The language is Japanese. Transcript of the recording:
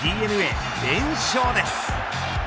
ＤｅＮＡ、連勝です。